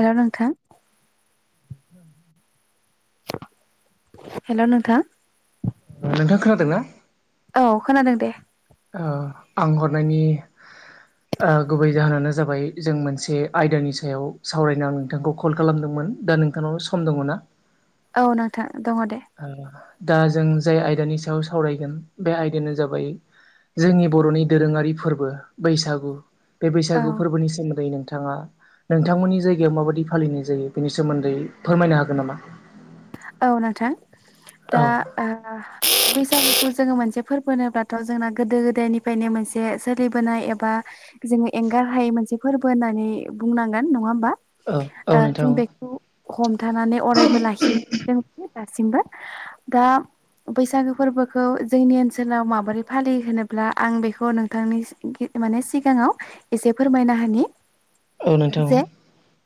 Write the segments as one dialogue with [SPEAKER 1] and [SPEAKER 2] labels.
[SPEAKER 1] हेल' नोंथां ।
[SPEAKER 2] [unintelligible]
[SPEAKER 1] हेल' नोंथा ।
[SPEAKER 2] नोंथां खोनादों ना?
[SPEAKER 1] औ खोनादों दे ‌।
[SPEAKER 2] औ आं हरनायनि आ गुबै जाहोनानो जाबाय जों मोनसे आयदानि सायाव सावरायनो आं नोंथांखौ कल खालामदों मोन दा नोंथांनावनो सम दङ ना?
[SPEAKER 1] औ नोंथां ।
[SPEAKER 2] आं दा जों जाय आयदानि सायाव सावरायगोन बे आयदायानो जाबाय जोंनि बर'नि दोरोङारि फोरबो बैसागु बे
[SPEAKER 1] औ
[SPEAKER 2] बैसागु फोरबोनि सोमोन्दै नोंथां ङा नोंथांमोननि जायगायाव माबायदि फालिनाय जायो बेनि सोमोन्दै फोरमायनो हागोन नामा?
[SPEAKER 1] औ नोंथां
[SPEAKER 2] औ
[SPEAKER 1] दा ओ बै सागुखौ जोङो मोनसे फोरबो होनोबाथ' जोंना गोदो गोदायनिफ्रायनो मोनसे सोलिबोनाय एबा जोङो एंगारहायै मोनसे फोरबो होननानै बुंनांगोन नङा होमबा । ओ
[SPEAKER 2] औ औ नोंथां
[SPEAKER 1] जों बेखौ हमथानानै अरायबो लाखिनो [inaudible] दासिमबो दा बैसागो फोरबोखौ जोंनि ओनसोलाव माबोरै फालियो होनोब्ला आं बेखौ नोंथांनि गि माने सिगाङाव एसे फोरमायना होनि
[SPEAKER 2] औ नोंथां।
[SPEAKER 1] जे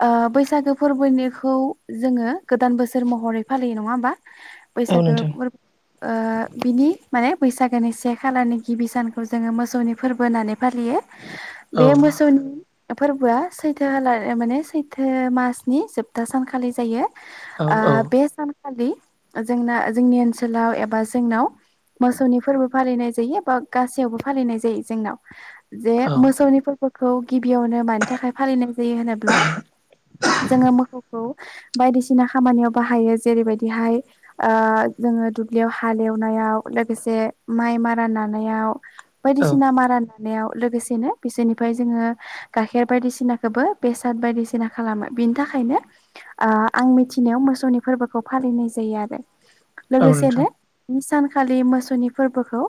[SPEAKER 1] ओ बैसागो फोरबोनिखौ जोङो गोदान बोसोर महरै फालियो नङा होमबा ।
[SPEAKER 2] औ
[SPEAKER 1] बैसागो
[SPEAKER 2] नोंथां
[SPEAKER 1] फोर ओ बिनि माने बैसागोनि से खालारनि गिबि सानखौ जोङो मोसौनि फोरबो होननानै फालियो
[SPEAKER 2] औ
[SPEAKER 1] बे मोसौनि फोरबोआ सैथो हाला माने सैथो मासनि जोबथा सानखालि जायो
[SPEAKER 2] औ
[SPEAKER 1] ।
[SPEAKER 2] औ
[SPEAKER 1] ओ बे सानखालि जोंना जोंनि ओनसोलाव एबा जोंनाव मोसौनि फोरबो फालिनाय जायो बा गासैयावबो फालिनाय जायो जोंनाव । जे
[SPEAKER 2] औ
[SPEAKER 1] मोसौनि फोरबोखौ गिबियावनो मानि थाखाय फालिनाय जायो होनोब्ला जोङो मोखौखौ बायदिसिना खामानियाव बाहायो । जेरैबायदिहाय जोङो दुब्लियाव हालेवनायाव लोगोसे माइ मारा ना नानायाव
[SPEAKER 2] औ
[SPEAKER 1] बायदिसिना मारा ना नायाव लोगोसेनो बिसोरनिफ्राय जोङो गाइखेर बायदिसिनाखौबो बेसाद बायदिसिना खालामो। बिनि थाखायनो ओ आं मिथिनायाव मोसौनि फोरबोखौ फालिनाय जायो आरो
[SPEAKER 2] औ नोंथां
[SPEAKER 1] लोगोसेनो मि सान खालि मोसौनि फोरबोखौ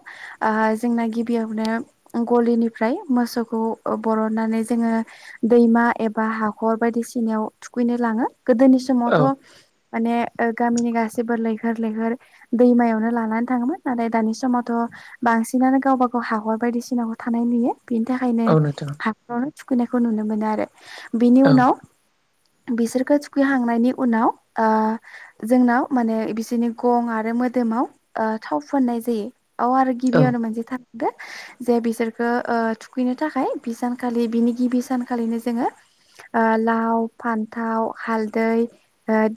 [SPEAKER 1] जोंना गिबियावनो गलिनिफ्राय मोसौखौ उ अ बरननानै जोङो दैमा एबा हाखर बायदिसिनायाव थुखैनो लाङो । गोदोनि
[SPEAKER 2] औ
[SPEAKER 1] समावथ' माने गामिनि गासैबो लैहोर लैहोर दैमायावनो लानानै थाङोमोन नाथाय दानि समावथ' बांसिनानो गावबा गाव हाखर बायदिसिनाखौ थानाय नुयो । बिनि थाखायनो
[SPEAKER 2] औ नोंथां
[SPEAKER 1] हाखरावनो थुखैनायखौ नुनो मोनो आरो बेनि
[SPEAKER 2] औ
[SPEAKER 1] उनाव बिसोरखौ थुखैहांनायनि उनाव ओ जोंनाव माने बिसोरनि गं आरो मोदोमाव थाव फुननाय जायो । औ आरो
[SPEAKER 2] औ
[SPEAKER 1] गिबियावनो मोनसे था दो जे बिसोरखौ ओ थुखैनो थाखाय बि सानखालि बिनि गिबि सानखालिनो जोङो ओ लाव, फान्थाव, हालदै,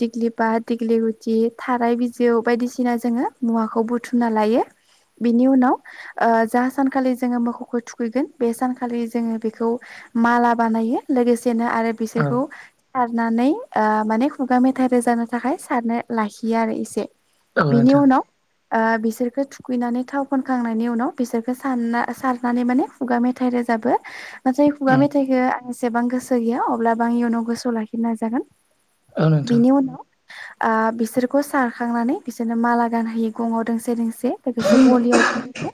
[SPEAKER 1] दिग ग्लिबा दिग्लि गुथि, थाराय बिजौ बायदिसिना जोङो मुवाखौ बुथुमना लायो । बिनि उनाव आ जा सानखालि जोङो मोसौखौ थुखैगोन बे सानखालि जोङो बेखौ माला बानायो लोगोसे नो आरो
[SPEAKER 2] औ
[SPEAKER 1] बिसोरखौ सारनानै ओ माने खुगा मेथाइ रोजानो थाखाय सारनो लाखियो आरो इसे
[SPEAKER 2] औ
[SPEAKER 1] बिनि
[SPEAKER 2] नोंथां
[SPEAKER 1] उनाव ओ बिसोरखौ थुखैनानै थाव फोनखांनायनि उनाव बिसोरखौ सानना सारनाफानाय माने खुगा मेथाइ रोजा जाबो । नाथाय खुगा
[SPEAKER 2] उम
[SPEAKER 1] मेथाइखो आं एसेबां गोसो गैया अब्लाबो आं इयुनाव गोसोआव लाखिनो नाजागोन ।
[SPEAKER 2] औ नोंथां।
[SPEAKER 1] आ बिसोरखौ सारखांनानै बिसोरनो माला गानहोयो गङाव दोंसे दोंसे लोगोसे गलियावबो जोङो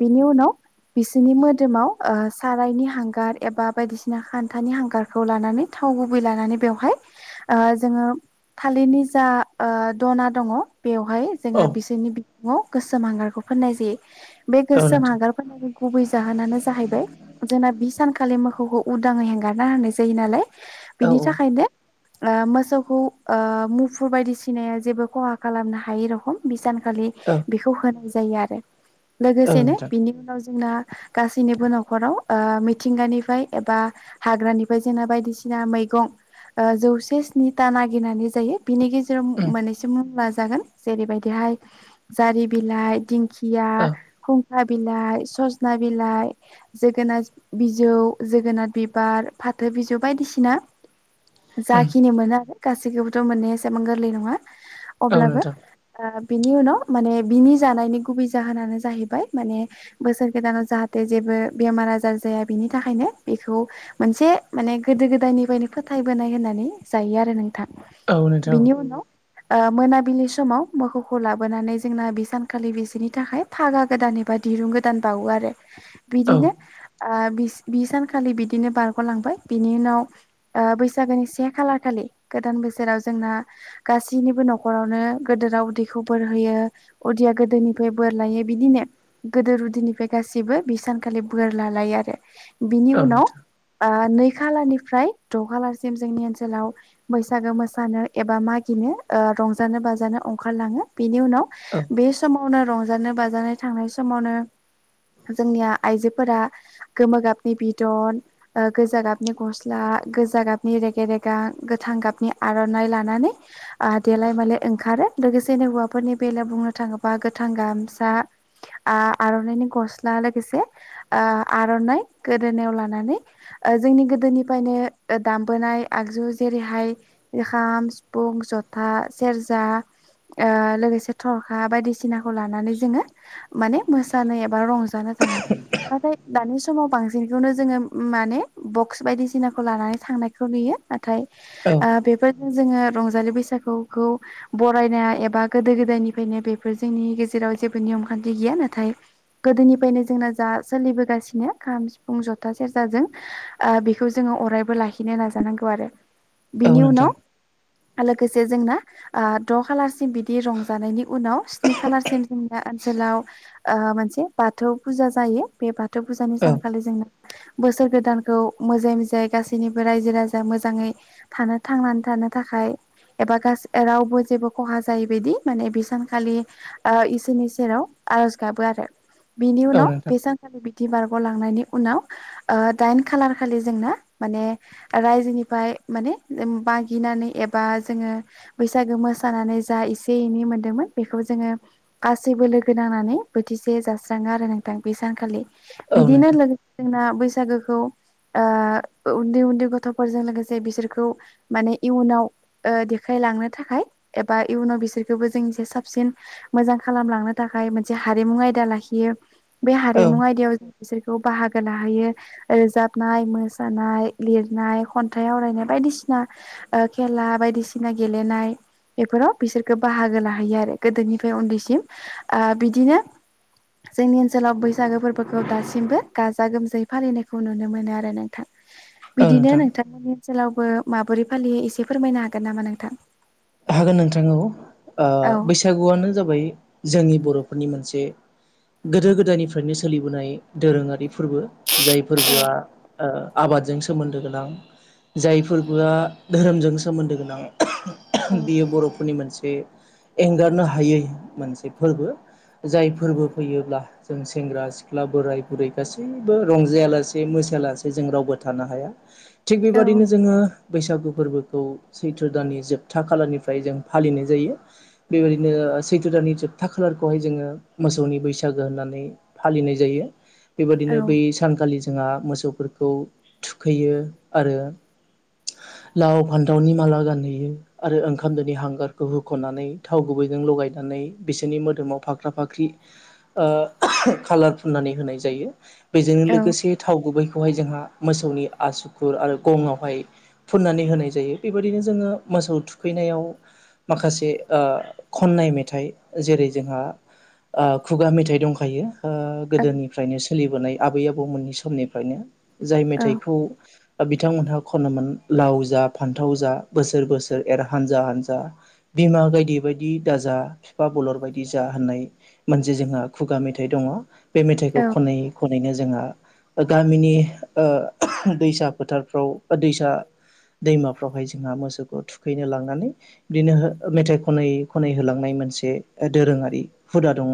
[SPEAKER 1] बिनि उनाव बिसोरनि मोदोमाव सारायनि हांगार एबा बायदिसिना खान्थानि हांगारखौ लानानै था थाव गुबै लानानै बेवहाय -जोङो थालिरनि जा दना दङ बेवहाय
[SPEAKER 2] औ
[SPEAKER 1] जोङो बिसोरनि- न'आव गोसोम हांगारखौ फोननाय जायो। बे
[SPEAKER 2] औ
[SPEAKER 1] गोसोम
[SPEAKER 2] नोंथां
[SPEAKER 1] हगार फोननायनि गुबै जाहोनानो जाहैबाय जोंना बि सानखालि मोसौखौ उदाङै हेंगारना होनाय जायो नालाय
[SPEAKER 2] औ
[SPEAKER 1] बिनि थाखायनो मोसौखौ मुफुर बायदिसिनाया जेबो खहा खालामनो हायै रखम बिसान खालि
[SPEAKER 2] औ
[SPEAKER 1] बेखौ होनाय जायो । आरो
[SPEAKER 2] औ
[SPEAKER 1] लोगोसेनो
[SPEAKER 2] नोंथां
[SPEAKER 1] बिनि उनाव जोंना गासैनिबो न'खराव मिथिंगानिफ्राय एबा हाग्रानिफ्राय जोंना बायदिसिना मैगं जौसे स्निथा नागिरनानै जायो। बिनि गेजेराव
[SPEAKER 2] उम
[SPEAKER 1] मोननैसो मुं लानिसै जेरैबायदिहाय जारि बिलाइ, दोंखिया,
[SPEAKER 2] औ
[SPEAKER 1] खुंखा बिलाइ, सजना बिलाइ, जोगोनार बिजौ, जोगोनार बिबार फाथो बिजौ बायदिसिना
[SPEAKER 2] [inaudible]
[SPEAKER 1] जाखिनि मोनो गासैखौबोथ' मोननाया एसेबां गोरलै नङा।
[SPEAKER 2] औ
[SPEAKER 1] अब्लाबो
[SPEAKER 2] नोंथां
[SPEAKER 1] बिनि उनाव माने बिनि जानायनि गुबै जाहोनानो जाहैबाय माने बोसोर गोदानाव जाहाथे जेबो बेमार आजार जाया बेनि थाखायनो बेखौ मोनसे गोदो गोदायनिफ्रायनो फोथायबोनाय होननानै जायो आरो नोंथां।
[SPEAKER 2] औ नोंथां
[SPEAKER 1] बिनि उनाव मोनाबिलि समाव मोसौखौ लाबोनानै जोंना बे सानखालि बिसोरनि थाखाय फागा गोदान एबा दिरुं गोदान बावो आरो ।
[SPEAKER 2] औ
[SPEAKER 1] बिदिनो बि बि सानखालि बिदिनो बारग'लांबाय। बिनि उनाव ओ बैसागोनि से खालार खालि गोदान बोसोराव जोंना गासैनिबो न'खरावनो गिदिरा उदैखौ बोर होयो उदिया गोदिनिफ्राय बोर लायो बिदिनो गोदो उदिनिफ्राय गासिबो बे सानखालि बोर लालायो। आरो बिनि
[SPEAKER 2] औ
[SPEAKER 1] उनाव
[SPEAKER 2] नोंथां
[SPEAKER 1] नै खालारनिफ्राय द' खालारसिम जोंनि ओनसोलाव बैसागो मोसानो एबा मागिनो रंजानो बाजानो ओंखारलाङो। बेनि उनाव
[SPEAKER 2] औ
[SPEAKER 1] बे समावनो रंजानो बाजानो थांनाय समावनो जोंनिया आइजोफोरा गोमो गाबनि बिदन गोजा गाबनि गस्ला गोजा गाबनि रेगे रेगां गोथां गाबनि आर'नाइ लानानै देलाय मालाय ओंखारो लोगोसेनो हौवाफोरनि बेलायाव बुङोल्बा बुंनो थाङोबा गोथां गाबनि गामसा आर'नाइनि गस्ला लोगोसे आर'नाइ गोदोनायाव लानानै जोंनि गोदोनिफ्रायनो दामबोनाय आगजु जेरैहाय खाम, सिफुं, जथा, सेरजा लोगोसे थरखा बायदिसिनाखौ लानानै जोङो माने मोसानो एबा रंजानो थाङो। नाथाय दानि समाव बांसिनखौनो जोङो माने बक्स बायदिसिनाखौ लानानै थांनायखौ नुयो। नाथाय
[SPEAKER 2] औ
[SPEAKER 1] बेफोर जोङो रंजालि बैसागुखौ बरायनाय एबा गोदो गोदायनिफ्रायनो बेफोर जोंनि गेजेराव जेबो निम खान्थि गैया। नाथाय गोदोनिफ्रायनो जोंना जा सोलिबोगासिनो खाम सिफुं जथा सेरजाजों बेखौ जोङो अरायबो लाखिनो नाजानांगौ आरो
[SPEAKER 2] औ नोंथां औ
[SPEAKER 1] बिनि
[SPEAKER 2] नोंथां
[SPEAKER 1] उनाव लोगोसे जोंना द' खालारसिम बिदि रंजानायनि उनाव स्नि खालारसिम जोंनि ओनसोलाव मोनसे बाथौ फुजा जायो बे बाथौ फुजानि सानखालि जोङो बोसोर गोदानखौ मोजां मोजाङै गासैनिबो रायजो राजा मोजाङै थानो थांनानै थानो थाखाय एबा गासैबो रावबो जेबो खहा जायि बायदि माने बे सानखालि इसोरनि सेराव आरज गाबो आरो बिनि
[SPEAKER 2] औ
[SPEAKER 1] उनाव
[SPEAKER 2] नोंथां
[SPEAKER 1] बे सानखालि बिदि बारग'लांनायनि उनाव दाइन खालार खालि जोंना माने रायजोनिफ्राय माने मागिनानै एबा जोङो बैसागो मोसानानै जा एसे एनै मोनदोंमोन। बेखौ जोङो गासैबो लोगो नांनानै बोथिसे जास्राङो आरो नोंथां बै सानखालि। बिदिनो लोगोसे जोंना बैसागोखौ ओ उन्दै उन्दै गथ'फोरजों लोगोसे बिसोरखौ माने इयुनाव ओ देखायलांनो थाखाय एबा इयुनाव बिसोरखौबो जों एसे से साबसिन मोजां खालामलांनो थाखाय मोनसे हारिमु आयदा लाखियो‌। बे
[SPEAKER 2] औ
[SPEAKER 1] हारिमु आयदायाव बिसोरखौ बाहागो लाहैयो रोजाबनाय मोसानाय लिरनाय खन थाइ आवरायनाय बायदिसिना ओ खेला बायदिसिना गेलेनाय बेफोराव बिसोरखौ बाहागो लाहैयो आरो गोदोनिफ्राय उन्दैसिम ओ बिदिनो जोंनि ओनसोलाव बैसागो फोरबोखौ दासिमबो गाजा गोमजायै फालिनायखौ नुनो मोनो आरो नोंथां ।
[SPEAKER 2] औ नोंथां ।
[SPEAKER 1] ओनसोलावबो माबोरै फालियो एसे फोरमायनो हागोन नामा नोंथां?
[SPEAKER 2] हागोन नोंथां औ ओ
[SPEAKER 1] औ
[SPEAKER 2] बैसागुआनो जाबाय जोंनि बर' फोर नि मोनसे गोदो गोदायनिफ्रायनो सोलिबोनाय दोरोङारि फोरबो जाय फोरबोआ ओ आबादजों सोमोन्दो गोनां। जाय फोरबोआ धोरोमजों सोमोन्दो गोनां
[SPEAKER 1] औ
[SPEAKER 2] बियो बर'फोरनि मोनसे से एंगारनो हायै मोनसे फोरबो। जाय फोरबो फैयोब्ला जों सेंग्रा सिख्ला बोराय बुरै गासैबो रंजायालासे मोस मोसायालासे जों रावबो थानो हाया। थिग
[SPEAKER 1] औ
[SPEAKER 2] बेबायदिनो जोङो बैसागु फोरबोखौ सैथ्रो दाननि जोब जोबथा खालारनिफ्राय जों फालिनाय जायो बेबायदिनो सैथ्रो' दानि जोबथा खालारखौहाय जोङो मोसौनि बैसागो होननानै फालिनाय जायो
[SPEAKER 1] औ
[SPEAKER 2] बेबायदिनो बै सानखालि जोंहा मोसौफोरखौ थुखैयो आरो लाव फान्थावनि माला गानहैयो। आरो ओंखामदोनि हांगारखौ होख'नानै थाव गुबैजों लगायनानै बिसोरनि मोदोमाव फाख्रा फाख्रि ओ कालार फुननानै होनाय जायो बेजोंनो
[SPEAKER 1] औ
[SPEAKER 2] लोगोसे थाव गुबै खौहाय जोंहा मोसौनि आसुखुर आरो गंआवहाय फुननानै होनाय जायो बेबायदिनो जोङो मोसौ थुखैनायाव माखासे ओ खननाय मेथाइ जेरै जोंहा थु ओ खुगा मेथाइ दंखायो । ओ गोदोनिफ्रायनो सोलिबोनाय आबै आबौमोननि समनिफ्रायनो जाय
[SPEAKER 1] औ
[SPEAKER 2] मेथाइखौ बिथांमोनहा खनोमोन लाव जा फान्थाव जा बोसोर बोसोर एर हानजा हानजा बिमा गायदि बायदि दाजा बिफा बलर बायदि जा होननाय मोनसे जोंहा खुगा मेथाइ दङ बे मेथाइखौ
[SPEAKER 1] औ
[SPEAKER 2] खनै खनैनो जोंहा गामिनि ओ दैसा फोथारफ्राव बा दैसा दैमाफ्रावहाय जोंहा मोसौखौ खैनो लांनानै बिदिनो मेथाइ खन खनै होलांनाय मोनसे दोरोङारि हुदा दङ।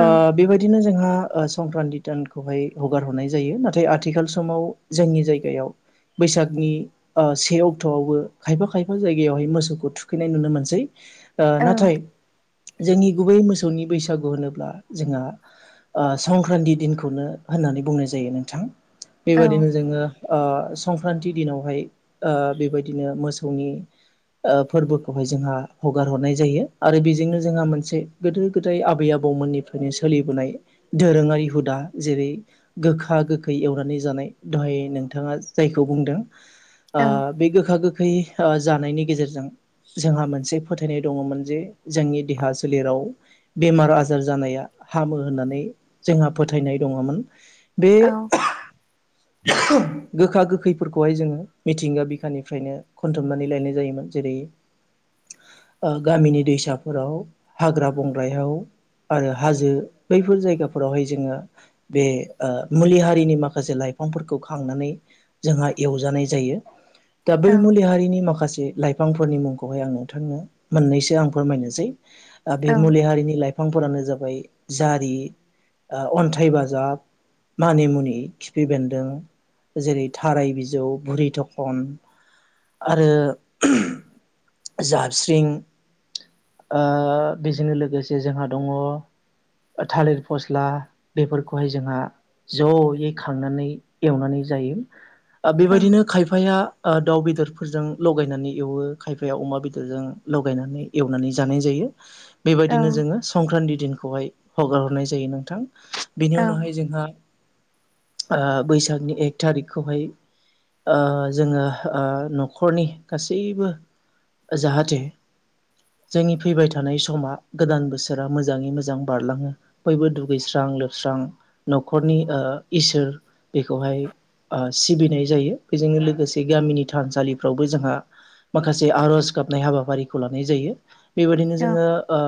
[SPEAKER 1] औ
[SPEAKER 2] बेबायदिनो जोंहा ओ संक्रान्ति थानखौहाय हगार हरनाय जायो नाथाय आथिखाल समाव जोंनि जायगायाव बैसागनि ओ से अक्ट'आवबो खायफा खायफ फा जायगायावहाय मोसौखौ थुखैनाय नुनो मोनसै नाथाय जोंनि गुबै मोसौनि बैसागु होनोब्ला जोंहा ओ संक्रान्ति दिनखौनो होननानै बुंनाय जायो नोंथां
[SPEAKER 1] औ
[SPEAKER 2] बेबायदिनो जोङो ओ संक्रान्ति दिनावहाय ओ बेबायदिनो मोसौनि ओ फोरबोखौहाय जोंहा हगार हरनाय जायो आरो बेजोंनो जोंहा मोनसे गोदो गोदाय आबै आबौ मोननिफ्रायनो सोलिबोनाय दोरोङारि हुदा जेरै गोखा गोखै एवनानै जानाय। दहाय नोंथाङा जायखौ बुंदों ओ बे गोखा गोखै ओ जानायनि गेजेरजों जोंहा मोनसे फोथायनाय दङमोन जे जोंनि देहा सोलेराव बेमार आजार जानाया हामो होननानै जोंहा फोथायनाय दङमोन। बे गोखा गोखैफोरखौहाय जोङो मिथिंगा बिखानिफ्रायनो खनथुमना नै लायनाय जायोमोन जेरै ओ गामिनि दैसाफोराव हाग्रा बंग्रायाव आरो हाजो बैफोर जायगाफोरावहाय जोङो बे ओ मुलि हारिनि माखासे लाइ फांफोरखौ खांनानै जोंहा एवजानाय जायो । दा बै मुलि हारिनि माखासे लाइफांफोरनि मुंखौहाय आं नोंथांनो मोननैसो आं फोरमायनोसै ओ बे मुलि हारिनि लाइफांफोरानो जाबाय जारि ओ अन्थाइ बाजाब, मानि मुनि, खिफि बेन्दों जेरै थाराय बिजौ, भुरि थखन आरो जाबस्रिं ओ बेजोंनो लोगोसे जोंहा दङ' थालिर फस्ला बेफोरखौहाय जोंहा जयै खांनानै एवनानै जायो। ओ बेबायदिनो खायफाया ओ दाउ बेदरफोरजों लगायनानै एवो खायफाया अमा बेदरजों लगायनानै एवनानै जानाय जायो।
[SPEAKER 1] औ
[SPEAKER 2] बेबायदिनो जोङो संक्रान्ति दिनखौहाय हगार हरनाय जायो नोंथां। बेनि
[SPEAKER 1] औ
[SPEAKER 2] उनावहाय जोंहा ओ बैसागनि एक थारिखखौहाय ओ जोङो ओ न'खर न'खरनि गासैबो जाहाथे जोंनि फैबाय थानाय समा गोदान बोसोरा मोजाङै मोजां बारलाङो बयबो दुगैस्रां लोबस्रां न'खरनि ओ‌ इसोर बेखौहाय ओ सिबिनाय जायो। बेजोंनो लोगोसे गामिनि थानसालि फ्रावबो जोंहा माखासे आर'ज गाबनाय हाबाफारिखौ लानाय जायो। बेबायदिनो
[SPEAKER 1] औ
[SPEAKER 2] जोङो ओ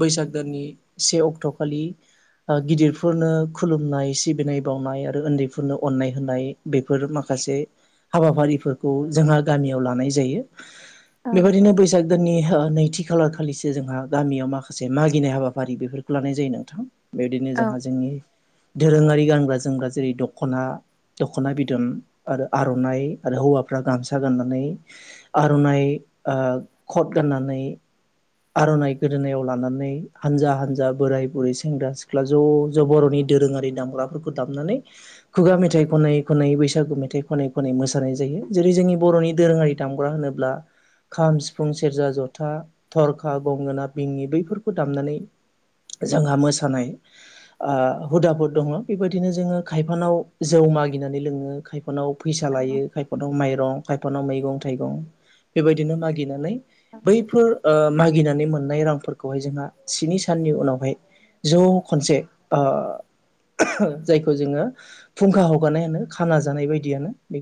[SPEAKER 2] बैसाग दाननि से अक्ट'खालि ओ गिदिरफोरनो खुलुमनाय सिबिनाय बावनाय आरो उन्दैफोरनो अननाय होनाय बेफोर माखासे माखासे हाबाफारिफोर खौ जोंहा गामियाव लानाय जायो।
[SPEAKER 1] औ
[SPEAKER 2] बेबायदिनो बैसाग दाननि नैथि खालार खालिसो जोंहा गामियाव माखासे मागिनाय हाबाफारि बेफोरखौ लानाय जायो नोंथां। बेबायदिनो जोंहा
[SPEAKER 1] औ
[SPEAKER 2] जोंनि दोरोङारि गानग्रा जोमग्रा जेरै दख'ना दख'ना बिदन आरो आर'नाइ आरो हौवा फ्रा गामसा गाननानै आर'नाइ ओ‌ खट गान्नानै आर'नाइ गोदोनायाव लानानै हानजा हानजा बोराय बुरै सेंग्रा सिख्ला ज' ज' बर'नि दोरोङारि दामग्राफोरखौ दामनानै खुगा मेथाइ खनै खनै बैसागु मेथाइ खनै खनै मोसानाय जायो। जेरै जोंनि बर'नि दोरोङारि दामग्रा होनोब्ला खाम, सिफुं, सेरजा, जथा, थरखा, गंगोना, बिंगि बैफोरखौ दामनानै जोंहा मोसानाय ओ हुदाफोर दङ बेबायदिनो जोङो खायफानाव जौ मागिनानै लोङो खायफा खायफानाव फैसा लायो, खायफानाव माइरं, खायफानाव मैगं थाइगं बेबायदिनो मागिनानै बैफोर ओ मागिनानै मोननाय रांफोरखौहाय जोंहा स्नि साननि उनावहाय ज' खनसे ओ जायखौ जोङो फुंखा हगारनाय होनो खाना जानाय बायदियानो बे